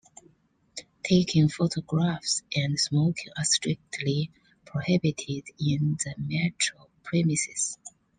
Taking photographs and smoking are strictly prohibited in the metro premises.